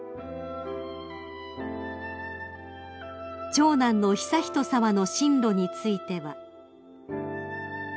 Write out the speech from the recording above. ［長男の悠仁さまの進路については］